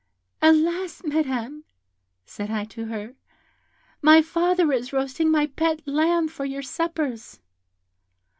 'Alas, Madam!' said I to her, 'my father is roasting my pet lamb for your suppers.'